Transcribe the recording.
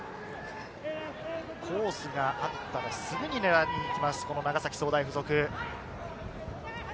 コースがあったら、すぐに狙いにいきます、長崎総大附属。